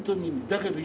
だけどね